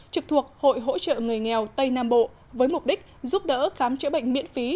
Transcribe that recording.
trực thuộc hội hỗ trợ người nghèo tây nam bộ với mục đích giúp đỡ khám chữa bệnh miễn phí